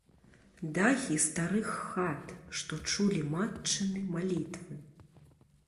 Дахі старых хат, што чулі матчыны малітвы.